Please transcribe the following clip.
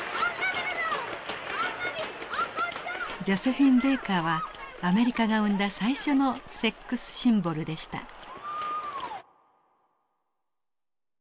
ジョセフィン・ベーカーはアメリカが生んだ最初のセックス・シンボルでした。